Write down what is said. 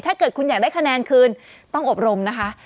ถ้าเกิดคุณอยากได้คะแนนคืนต้องอบรมนะคะ